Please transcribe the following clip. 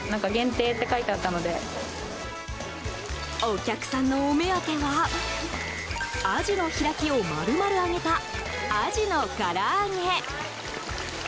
お客さんのお目当てはアジの開きを丸々揚げた鯵の唐揚げ。